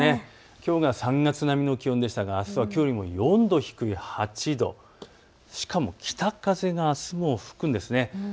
きょうが３月並みの気温でしたがきょうよりも４度低い８度、しかも北風があすも吹くんです。